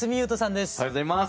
おはようございます。